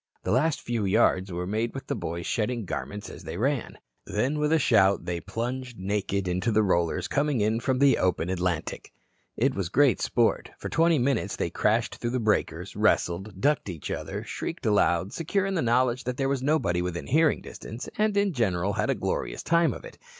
The last few yards were made with the boys shedding garments as they ran. Then with a shout they plunged naked into the rollers coming in from the open Atlantic. It was great sport. For twenty minutes they crashed through breakers, wrestled, ducked each other, shrieked aloud secure in the knowledge there was nobody within hearing distance, and in general had a glorious time of it.